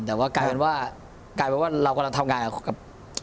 แต่ว่ากลายเป็นว่าเรากำลังทำงานกับ